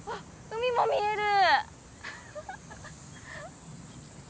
海も見える。